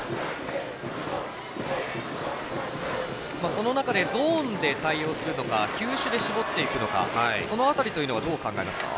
その中でゾーンで対応するのか球種で絞っていくのかその辺りというのはどう考えますか？